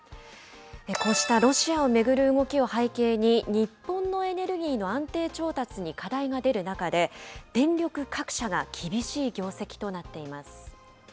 こうしたロシアを巡る動きを背景に、日本のエネルギーの安定調達に課題が出る中で、電力各社が厳しい業績となっています。